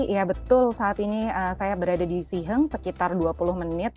ya betul saat ini saya berada di siheng sekitar dua puluh menit